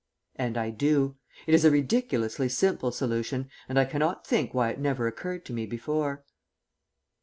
And I do. It is a ridiculously simple solution, and I cannot think why it never occurred to me before.